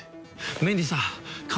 メンディーさん。